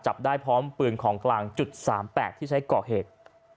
จับได้พร้อมปืนของกลางจุด๓๘ที่ใช้ก่อเหตุ